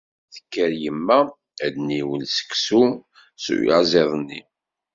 Tekker yemma ad d-tniwel seksu s uyaziḍ-nni.